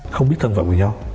không biết thân phạm của nhau